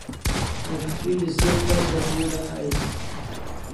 Atr'eli se tasa dura ais